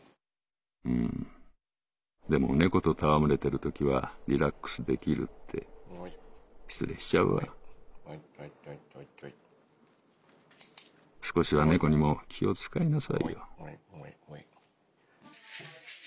「うーんでも猫と戯れてるときはリラックスできる．．．．．．って失礼しちゃうわ少しは猫にも気を遣いなさいよ！」。